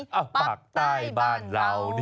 จะไปในปักใต้บ้านเรา